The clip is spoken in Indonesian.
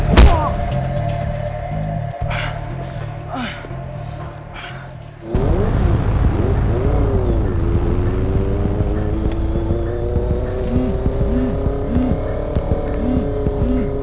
lama anak kamuapudi lu bikacuk